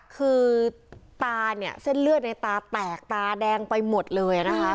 คือเส้นเลือดในตาแตกตาแดงไปหมดเลยนะครับ